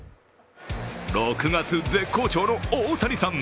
６月絶好調の大谷さん。